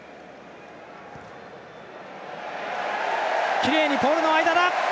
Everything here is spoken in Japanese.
きれいにポールの間だ！